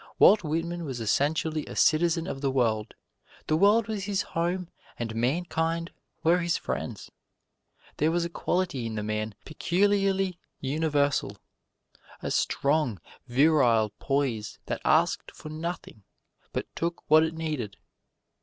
Walt Whitman was essentially a citizen of the world: the world was his home and mankind were his friends. There was a quality in the man peculiarly universal: a strong, virile poise that asked for nothing, but took what it needed.